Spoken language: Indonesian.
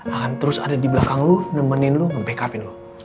akan terus ada di belakang lo nemenin lo ngebackupin lo